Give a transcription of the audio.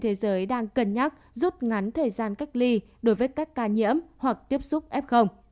thế giới đang cân nhắc rút ngắn thời gian cách ly đối với các ca nhiễm hoặc tiếp xúc f